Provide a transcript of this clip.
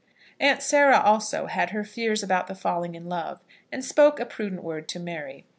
Aunt Sarah also had her fears about the falling in love, and spoke a prudent word to Mary.